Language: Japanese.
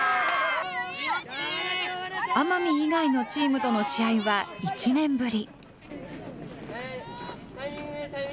奄美以外のチームとの試合は１年ぶり。